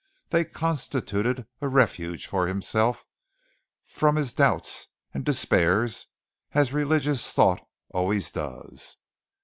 They constituted a refuge from himself, from his doubts and despairs as religious thought always does.